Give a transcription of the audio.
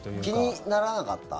気にならなかった？